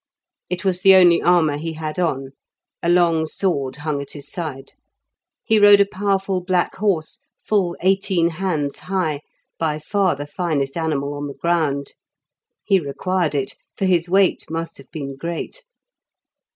It was the only armour he had on; a long sword hung at his side. He rode a powerful black horse, full eighteen hands high, by far the finest animal on the ground; he required it, for his weight must have been great.